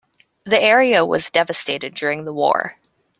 The area was devastated during the war.